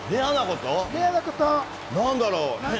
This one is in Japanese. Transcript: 何だろう？